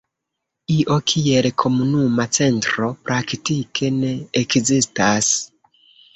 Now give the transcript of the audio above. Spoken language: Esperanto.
Io kiel "komunuma centro" praktike ne ekzistas.